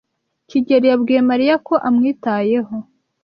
kigeli yabwiye Mariya ko amwitayeho.